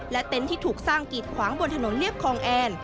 เต็นต์ที่ถูกสร้างกีดขวางบนถนนเรียบคลองแอน